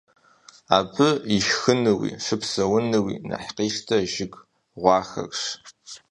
Абы ишхынууи щыпсэунууи нэхъ къищтэр жыг гъуахэращ.